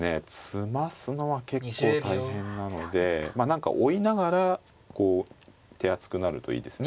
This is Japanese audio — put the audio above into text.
詰ますのは結構大変なのでまあ何か追いながらこう手厚くなるといいですね。